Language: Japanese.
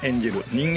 人間